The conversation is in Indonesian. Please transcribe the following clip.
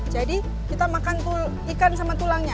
jadi kita makan ikan sama tulangnya